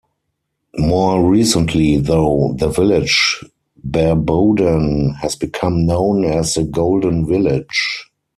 More recently though the village Barbodhan has become known as the 'Golden Village'.